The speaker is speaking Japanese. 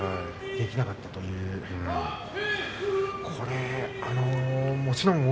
できなかったということですか。